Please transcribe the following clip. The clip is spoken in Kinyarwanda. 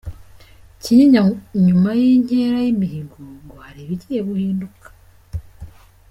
Kinyinya Nyuma y’inkera y’imihigo ngo hari ibigiye guhinduka